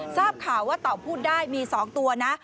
ทราบข่าวว่าเต่าพูดได้มี๒ตัวนะ